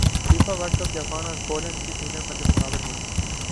FIFA world cup Japan اور Poland کی ٹیمیں مدمقابل ہوں گی